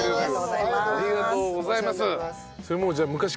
ありがとうございます。